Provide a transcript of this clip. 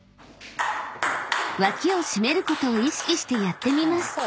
［脇を締めることを意識してやってみます］